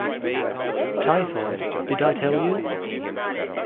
Typhoid -- did I tell you.